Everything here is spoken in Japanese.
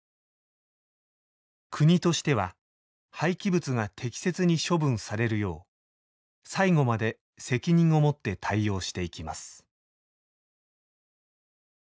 「国としては廃棄物が適切に処分されるよう最後まで責任をもって対応していきます」。